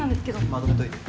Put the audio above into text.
まとめといて。